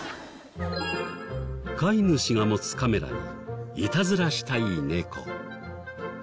飼い主が持つカメラにいたずらしたい猫。